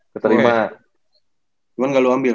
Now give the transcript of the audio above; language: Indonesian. cuman gak lu ambil